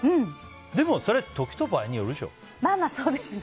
でもそれは時と場合によるでしょ。